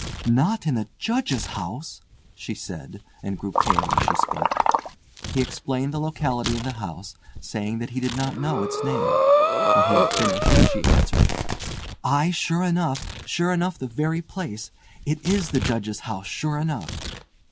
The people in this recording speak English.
"Not in the Judge's House!" she said, and grew pale as she spoke. He explained the locality of the house, saying that he did not know its name. When he had finished she answered: "Aye, sure enough—sure enough the very place! It is the Judge's House sure enough."